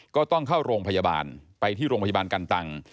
ก็ต้องเข้าโรงพยาบาลไปที่โรงพยาบาลกันตัง